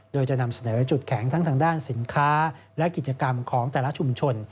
โดยจะนำเสนอจุดแข็งทั้งทางด้านสินค้าและกิจกรรมของแต่ละชุมชน